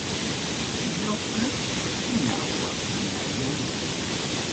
Ñoqa hina waqanallampaq.